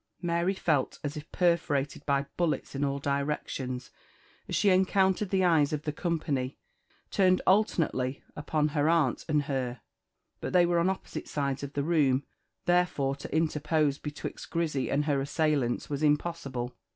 Mary felt as if perforated by bullets in all directions, as she encountered the eyes of the company, turned alternately upon her aunt and her; but they were on opposite sides of the room; therefore to interpose betwixt Grizzy and her assailants was impossible.